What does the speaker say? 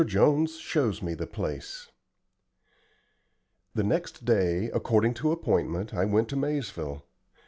JONES SHOWS ME THE PLACE The next day, according to appointment, I went to Maizeville.